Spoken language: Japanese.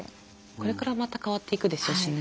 これからまた変わっていくでしょうしね。